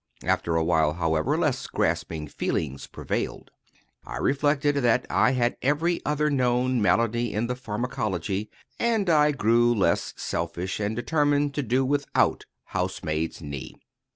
After a while, however, less grasping feelings prevailed. I reflected that I had every other known malady in the pharmacology, and I grew less selfish, and determined to do without housemaid's knee.